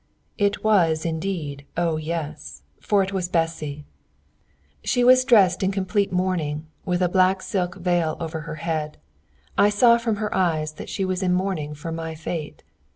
It was indeed "oh yes!" for it was Bessy. She was dressed in complete mourning, with a black silk veil over her head. I saw from her eyes that she was in mourning for my fate.